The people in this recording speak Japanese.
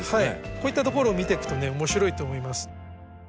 こういったところを見ていくとね面白いと思います。